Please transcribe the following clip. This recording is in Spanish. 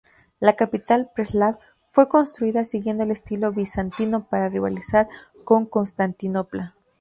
La capital, Preslav, fue construida siguiendo el estilo bizantino para rivalizar con Constantinopla.